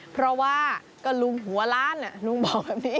เพราะว่าก็ลุงหัวล้านลุงบอกแบบนี้